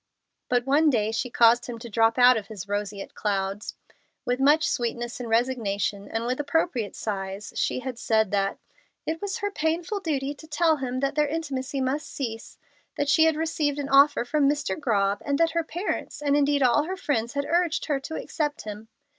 But one day she caused him to drop out of his roseate clouds. With much sweetness and resignation, and with appropriate sighs, she said that "it was her painful duty to tell him that their intimacy must cease that she had received an offer from Mr. Grobb, and that her parents, and indeed all her friends, had urged her to accept him.